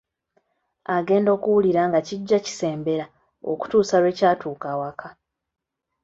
Agenda okuwulira nga kijja kisembera okutuusa, lwe kyatuuka awaka.